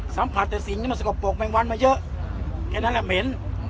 สัมผัสแต่สิ่งที่มันสกปรกแมงวันมาเยอะแค่นั้นแหละเหม็น